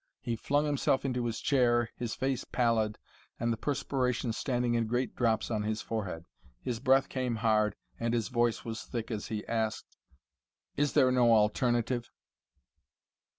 He flung himself into his chair, his face pallid and the perspiration standing in great drops on his forehead. His breath came hard and his voice was thick as he asked: "Is there no alternative?"